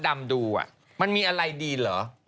มันมีอะไรดีเหรอ